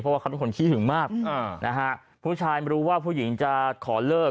เพราะว่าเขาเป็นคนขี้หึงมากนะฮะผู้ชายไม่รู้ว่าผู้หญิงจะขอเลิก